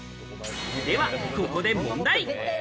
では、ここで問題。